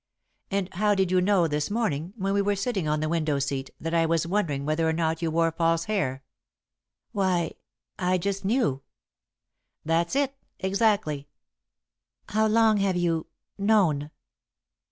"And how did you know, this morning, when we were sitting on the window seat, that I was wondering whether or not you wore false hair?" "Why I just knew." "That's it, exactly." "How long have you known?"